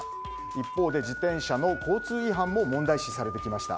一方で、自転車の交通違反も問題視されてきました。